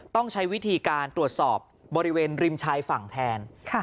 ต้องใช้วิธีการตรวจสอบบริเวณริมชายฝั่งแทน